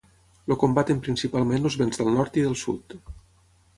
El combaten principalment els vents del nord i del sud.